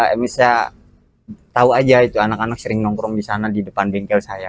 emang saya tahu aja itu anak anak sering nongkrong di sana di depan bengkel saya